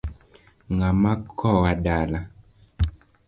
Ngama kowa dala ?